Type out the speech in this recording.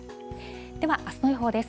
では、あすの予報です。